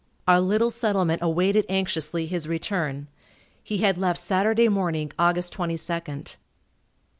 Our little settlement awaited anxiously his return. He had left Saturday morning, Aug. 22nd.